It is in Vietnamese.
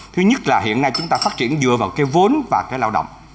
thứ nhất là hiện nay chúng ta phát triển dựa vào cái vốn và cái lao động